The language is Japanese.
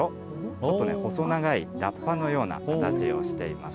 ちょっとね、細長いラッパのような形をしています。